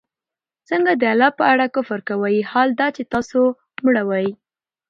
څنگه د الله په اړه كفر كوئ! حال دا چي تاسو مړه وئ